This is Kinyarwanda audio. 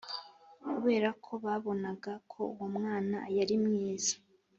kubera ko babonaga ko uwo mwana yari mwiza